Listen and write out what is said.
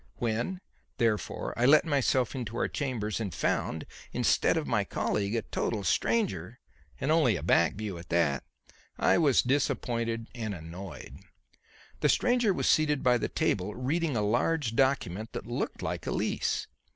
When, therefore, I let myself into our chambers and found, instead of my colleague, a total stranger and only a back view at that I was disappointed and annoyed. The stranger was seated by the table, reading a large document that looked like a lease.